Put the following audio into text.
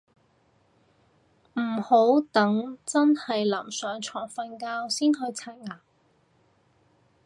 唔好等真係臨上床瞓覺先去刷牙